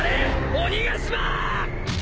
鬼ヶ島！